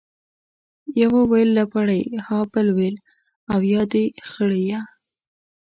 يوه ويل لپړى ، ها بل ويل ، اويا دي خړيه.